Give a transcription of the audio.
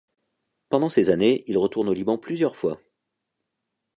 Pendant ces années, il retourne au Liban plusieurs fois.